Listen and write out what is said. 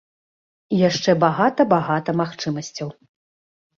І яшчэ багата-багата магчымасцяў.